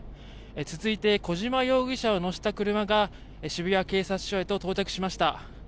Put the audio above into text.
続いて小島容疑者を乗せた車が渋谷警察署へと到着しました。